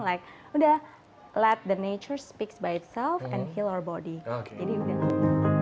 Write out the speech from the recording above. sudah biarkan alam semesta berbicara sendiri dan menghilangkan tubuh kita